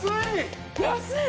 安い！